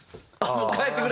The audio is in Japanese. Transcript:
「もう帰ってくれ！」